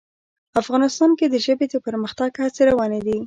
افغانستان کې د ژبې د پرمختګ هڅې روانې دي.